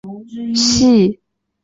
系统的名字通常是名称的一部分。